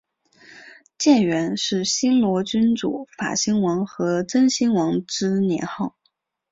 建元是新罗君主法兴王和真兴王之年号。